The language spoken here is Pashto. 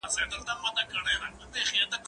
زه به اوږده موده کتابتون ته راغلی وم!.